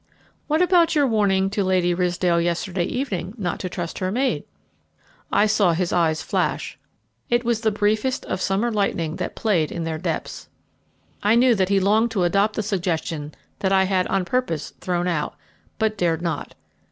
"What about your warning to Lady Ridsdale yesterday evening not to trust her maid?" I saw his eyes flash. It was the briefest of summer lightning that played in their depths. I knew that he longed to adopt the suggestion that I had on purpose thrown out, but dared not.